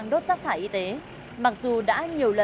đến thập cẩm các loại nhựa